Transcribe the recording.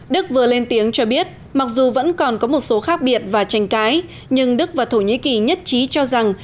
đức vừa lên tiếng cho biết mặc dù vẫn còn có một số khác biệt và tranh cãi nhưng đức và thổ nhĩ kỳ nhất trí cho rằng